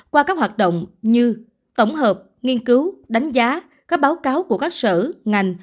qua các hoạt động như tổng hợp nghiên cứu đánh giá các báo cáo của các sở ngành